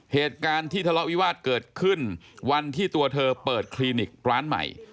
เหตุการณ์ที่ทะเลาะวิวาสเกิดขึ้นวันที่ตัวเธอเปิดคลินิกร้านใหม่